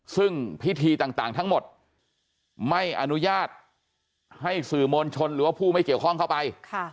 ซึ่งพิธีต่างทั้งหมดไม่อนุญาตให้สื่อมวลชนหรือว่าผู้ไม่เกี่ยวข้องเข้าไป